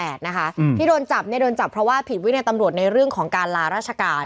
ที่โดนจับเนี่ยโดนจับเพราะว่าผิดวินัยตำรวจในเรื่องของการลาราชการ